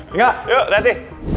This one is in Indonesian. enggak yuk hati hati